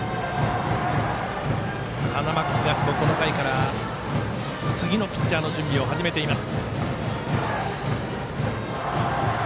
花巻東もこの回から次のピッチャーの準備を始めています。